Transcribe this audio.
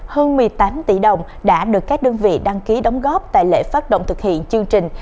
hơn một mươi tám tỷ đồng đã được các đơn vị đăng ký đóng góp tại lễ phát động thực hiện chương trình